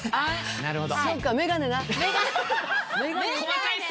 なるほど。